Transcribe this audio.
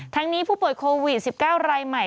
นี้ผู้ป่วยโควิด๑๙รายใหม่